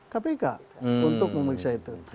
kpk untuk memeriksa itu